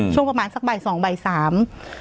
ช่วงประมาณสักบ่ายสองบ่ายสาม